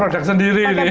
pakai produk sendiri nih